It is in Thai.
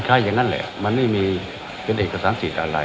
คล้ายอย่างนั้นแหละมันไม่มีเป็นเหตุกศาลสิีตอะไร